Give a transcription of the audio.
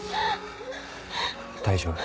大丈夫。